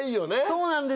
そうなんですよ。